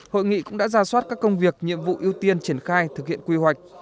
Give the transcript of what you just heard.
hội nghị cũng đã ra soát các công việc nhiệm vụ ưu tiên triển khai thực hiện quy hoạch